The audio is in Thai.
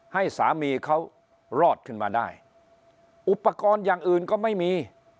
ให้สามีเขารอดขึ้นมาได้อุปกรณ์อย่างอื่นก็ไม่มี